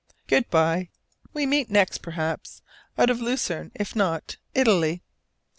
Good by: we meet next, perhaps, out of Lucerne: if not, Italy.